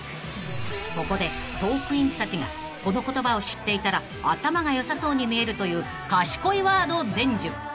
［ここでトークィーンズたちがこの言葉を知っていたら頭が良さそうに見えるという賢いワードを伝授］